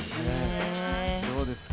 どうですか？